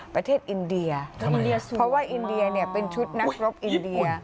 ประเทศอินเดียอินเดียเพราะว่าอินเดียเนี่ยเป็นชุดนักรบอินเดีย